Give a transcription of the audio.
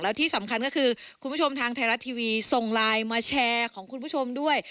ที่สำคัญก็คือคุณผู้ชมทางไทยรัฐทีวีส่งไลน์มาแชร์ของคุณผู้ชมด้วย